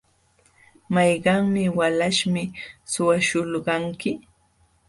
¿Mayqannin walaśhmi suwaśhulqanki?